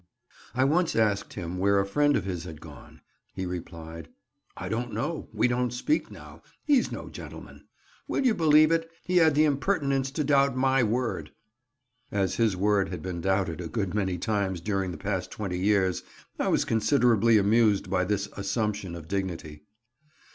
I once asked him where a friend of his had gone. He replied, "I don't know; we don't speak now; he's no gentleman. Will you believe it, he had the impertinence to doubt my word." As his word had been doubted a good many times during the past 20 years, I was considerably amused by this assumption of dignity.